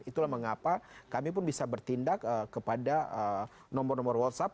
itulah mengapa kami pun bisa bertindak kepada nomor nomor whatsapp